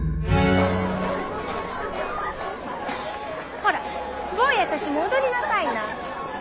ほら坊やたちも踊りなさいな。